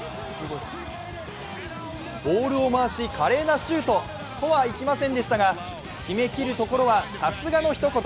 お次の選手はボールを回し、華麗なシュートとはいきませんでしたが決めきるところは、さすがのひと言